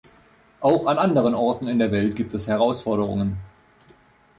Auch an anderen Orten in der Welt gibt es Herausforderungen.